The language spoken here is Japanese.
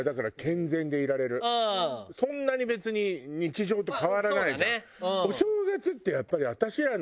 そんなに別に日常と変わらないじゃん。